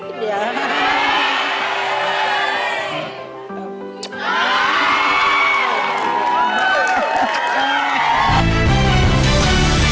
สวัสดีครับ